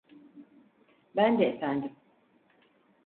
Ben de efendim.